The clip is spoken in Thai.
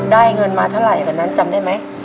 ได้เงินมาเท่าไหร่กันจำได้ไหม